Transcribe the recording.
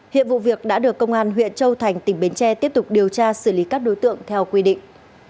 hiện vụ việc đã được công an huyện châu thành tỉnh bến tre tiếp tục điều tra xử lý các đối tượng theo quy định